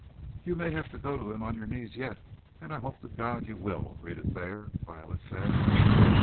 "You may have to go to him on your knees yet, and I hope to God you will Rhetta Thayer!" Violet said.